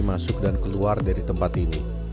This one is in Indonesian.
masuk dan keluar dari tempat ini